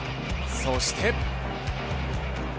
そして。